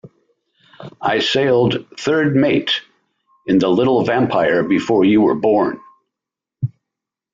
I sailed third mate in the little Vampire before you were born.